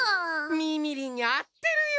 みみりんに合ってるよ！